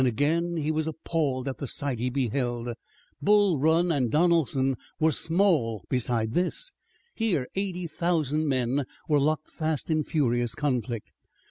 Again he was appalled at the sight he beheld. Bull Run and Donelson were small beside this. Here eighty thousand men were locked fast in furious conflict.